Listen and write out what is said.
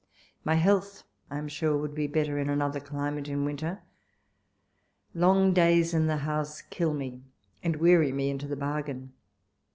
My health, I am sure, would be better in another climate in winter. Long days in the House kill me, and weary me into the bargain.